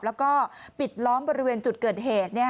แล้วก็ปิดล้อมบริเวณจุดเกิดเหตุ